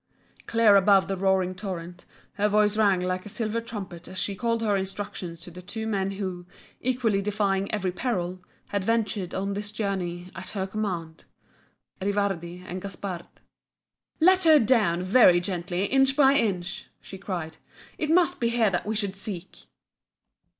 Clear above the roaring torrent her voice rang like a silver trumpet as she called her instructions to the two men who, equally defying every peril, had ventured on this journey at her command, Rivardi and Gaspard. "Let her down very gently inch by inch!" she cried; "It must be here that we should seek!"